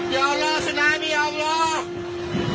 ya allah kota kepalu ya allah